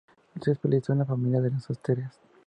Se especializó en la familia de las asteráceas.